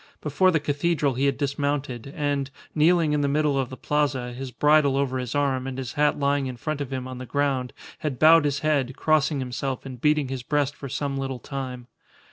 Before the cathedral he had dismounted, and, kneeling in the middle of the Plaza, his bridle over his arm and his hat lying in front of him on the ground, had bowed his head, crossing himself and beating his breast for some little time.